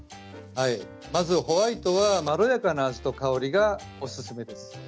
まずホワイトはまろやかな味と香りがおすすめです。